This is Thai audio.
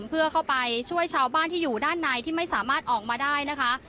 เพื่อเข้าไปช่วยชาวบ้านที่อยู่ด้านในที่ไม่สามารถออกมาได้นะคะ